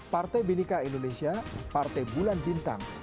partai binika indonesia partai bulan bintang